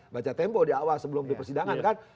baca tempo di awal sebelum di persidangan kan